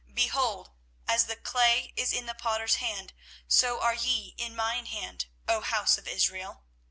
Behold, as the clay is in the potter's hand, so are ye in mine hand, O house of Israel.